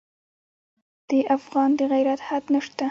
د افغان د غیرت حد نه شته.